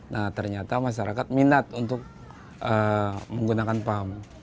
nah ternyata masyarakat minat untuk menggunakan pam